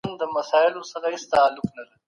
مهرباني وکړئ خپل ټول اسناد په ټاکلي وخت وسپارئ.